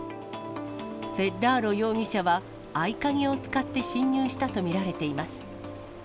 フェッラーロ容疑者は合鍵を使って侵入したと見られています。